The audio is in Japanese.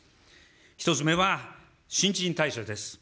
１つ目は新陳代謝です。